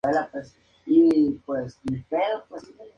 Bad Lieutenant comenzó una gira por el Reino Unido en octubre y noviembre.